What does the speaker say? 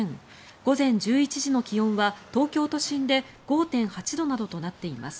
午前１１時の気温は東京都心で５．８度などとなっています。